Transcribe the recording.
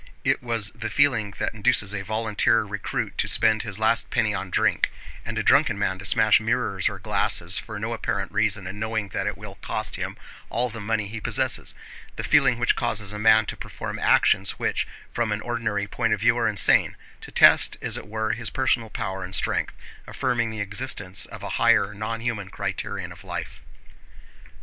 It was the feeling that induces a volunteer recruit to spend his last penny on drink, and a drunken man to smash mirrors or glasses for no apparent reason and knowing that it will cost him all the money he possesses: the feeling which causes a man to perform actions which from an ordinary point of view are insane, to test, as it were, his personal power and strength, affirming the existence of a higher, nonhuman criterion of life.